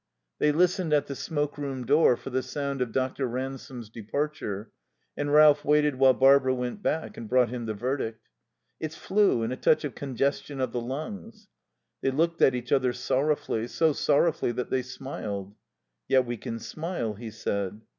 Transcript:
They listened at the smoke room door for the sound of Dr. Ransome's departure, and Ralph waited while Barbara went back and brought him the verdict. "It's flu, and a touch of congestion of the lungs." They looked at each other sorrowfully, so sorrowfully that they smiled. "Yet we can smile," he said.